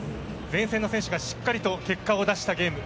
前線の選手がしっかりと結果を出したゲーム。